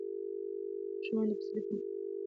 ماشومان د پسرلي په موسم کې ډېر خوشاله وي.